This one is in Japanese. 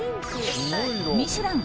「ミシュラン」